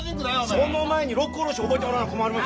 その前に「六甲おろし」覚えてもらわな困ります。